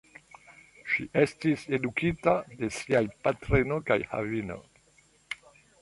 Ŝi estis edukita de siaj patrino kaj avino.